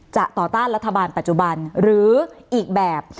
ต่อต้านรัฐบาลปัจจุบันหรืออีกแบบ